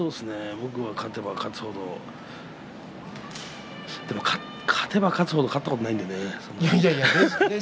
僕も勝てば勝つ程でも勝てば勝つ程勝ったことはないんですよね。